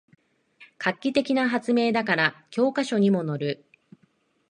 画期的な発明だから教科書にものる